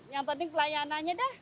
yang penting pelayanannya dah